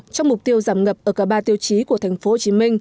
trong mục tiêu giảm ngập ở cả ba tiêu chí của thành phố hồ chí minh